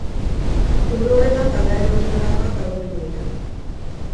Liburu horretan, taldearen nondik norakoak laburbildu dira.